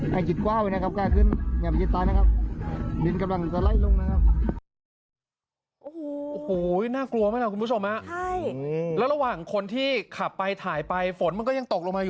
ให้จินกว้าไว้นะครับแก้ขึ้นอย่าไปจินตายนะครับ